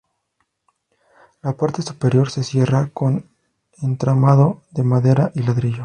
La parte superior se cierra con entramado de madera y ladrillo.